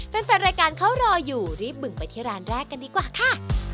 แฟนแฟนรายการเขารออยู่รีบบึงไปที่ร้านแรกกันดีกว่าค่ะ